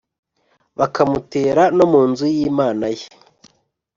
bakamutera no mu nzu y’Imana ye.